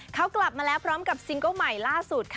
เขากลับมาแล้วพร้อมกับซิงเกิ้ลใหม่ล่าสุดค่ะ